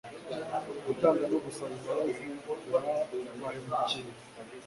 gutanga no gusaba imbabazi ku babahemukiye.